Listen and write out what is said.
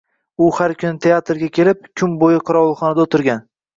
U har kuni teatrga kelib, kun boʻyi qorovulxonada oʻtirgan.